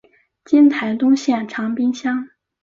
今台东县长滨乡。